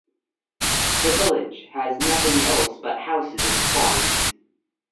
The village has nothing else but houses and farms.